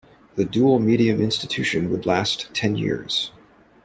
The dual-medium institution would last ten years.